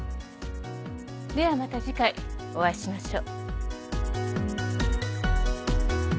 ではまた次回お会いしましょう。